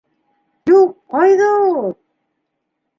— Юҡ, ҡайҙа ул!